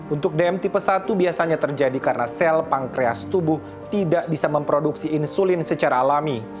untuk dm tipe satu biasanya terjadi karena sel pankreas tubuh tidak bisa memproduksi insulin secara alami